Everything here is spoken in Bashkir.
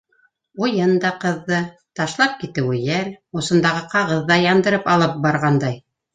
Уйын да ҡыҙҙы - ташлап китеүе йәл, усындағы ҡағыҙ ҙа яндырып алып барғандай.